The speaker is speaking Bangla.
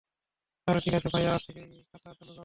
তাহলে ঠিক আছে ভাইয়া, আজ থেকেই খাতা চালু করো।